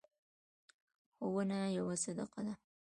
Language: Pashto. ښوونه یوه صدقه ده.